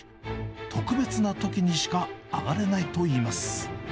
特別なときにしか上がれないといいます。